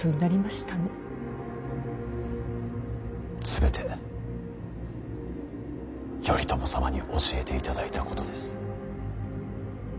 全て頼朝様に教えていただいたことです。